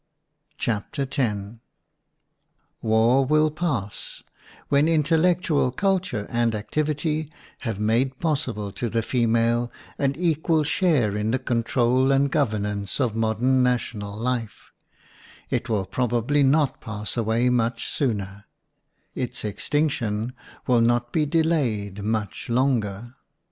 War will pass when intellectual cul ture and activity have made possible to the female an equal share in the control and governance of modern national life; it will probably not pass away much sooner; its extinction will not be delayed much longer.